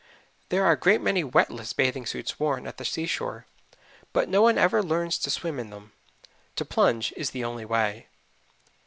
There are a great many "wetless" bathing suits worn at the seashore, but no one ever learns to swim in them. To plunge is the only way.